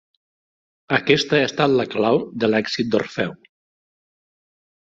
Aquesta ha estat la clau de l'èxit d'Orfeu.